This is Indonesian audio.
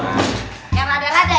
yang rada rada ya